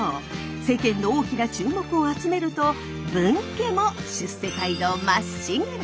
世間の大きな注目を集めると分家も出世街道まっしぐら！